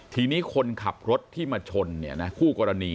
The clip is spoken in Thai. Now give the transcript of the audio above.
ตอนนี้คนข่าบรถที่ชนขู่กรณี